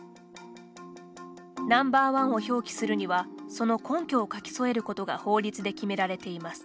Ｎｏ．１を表記するにはその根拠を書き添えることが法律で決められています。